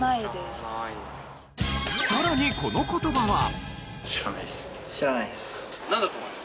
さらにこの言葉は？